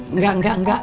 enggak enggak enggak